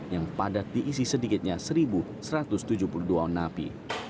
yang padat diisi sedikitnya satu satu ratus tujuh puluh dua on napi